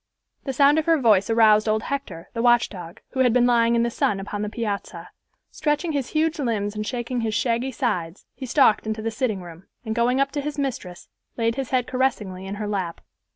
The sound of her voice aroused old Hector, the watchdog, who had been lying in the sun upon the piazza. Stretching his huge limbs and shaking his shaggy sides, he stalked into the sitting room, and going up to his mistress laid his head caressingly in her lap.